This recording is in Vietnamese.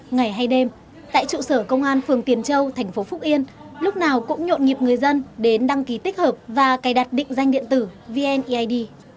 ngày hay đêm tại trụ sở công an phường tiền châu thành phố phúc yên lúc nào cũng nhộn nhịp người dân đến đăng ký tích hợp và cài đặt định danh điện tử vneid